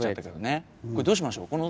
これどうしましょう？